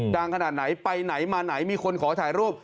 ขนาดไหนไปไหนมาไหนมีคนขอถ่ายรูป